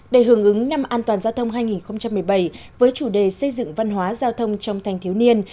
để hưởng ứng năm an toàn giao thông hai nghìn một mươi bảy với chủ đề xây dựng văn hóa giao thông trong thanh thiếu niên